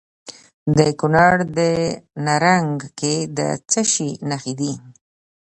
د کونړ په نرنګ کې د څه شي نښې دي؟